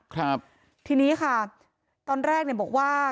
ครับทีนี้ค่ะตอนแรกเนี่ยบอกว่า